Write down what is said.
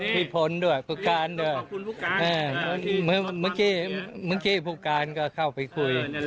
พี่พลด้วยผู้การด้วยเมื่อกี้เมื่อกี้ผู้การก็เข้าไปคุย